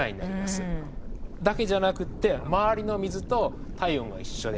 だけじゃなくって周りの水と体温が一緒で。